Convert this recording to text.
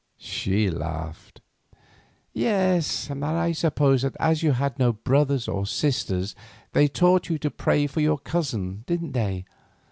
She laughed. "Yes, and I suppose that as you had no brothers or sisters they taught you to pray for your cousin, didn't they?